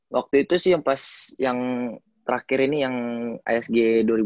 waktu itu sih yang pas yang terakhir ini yang asg dua ribu dua puluh